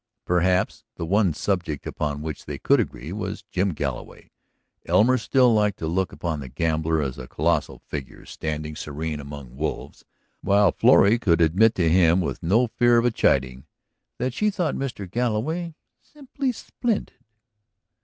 Perhaps the one subject upon which they could agree was Jim Galloway; Elmer still liked to look upon the gambler as a colossal figure standing serene among wolves, while Florrie could admit to him, with no fear of a chiding, that she thought Mr. Galloway "simply splendid!"